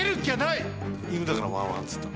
いぬだから「ワンワン」っつった。